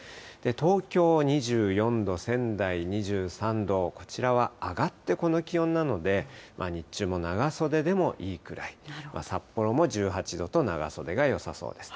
東京２４度、仙台２３度、こちらは上がってこの気温なので、日中も長袖でもいいくらい、札幌も１８度と長袖がよさそうです。